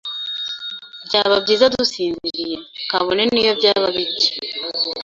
Byaba byiza dusinziriye, kabone niyo byaba bike.